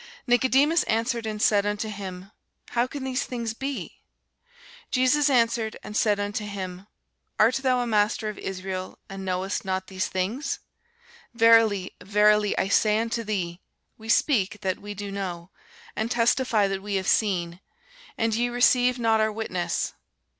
Nicodemus answered and said unto him, How can these things be? Jesus answered and said unto him, Art thou a master of Israel, and knowest not these things? Verily, verily, I say unto thee, We speak that we do know, and testify that we have seen; and ye receive not our witness.